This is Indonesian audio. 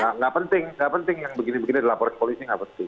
enggak penting enggak penting yang begini begini dilaporin ke polisi enggak penting